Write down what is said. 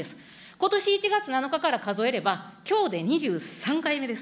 ことし１月７日から数えれば、きょうで２３回目です。